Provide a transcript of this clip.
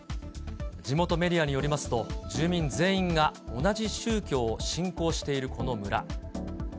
地元メディアによりますと、住民全員が同じ宗教を信仰している、この村。